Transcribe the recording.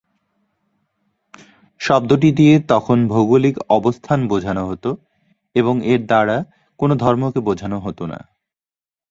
শব্দটি দিয়ে তখন ভৌগোলিক অবস্থান বোঝানো হত এবং এর দ্বারা কোন ধর্মকে বোঝানো হত না।